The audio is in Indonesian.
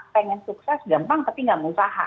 pengen sukses gampang tapi gak mau usaha